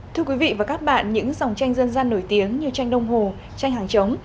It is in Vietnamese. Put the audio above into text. thưa quý vị và các bạn những dòng tranh dân gian nổi tiếng như tranh đông hồ tranh hàng chống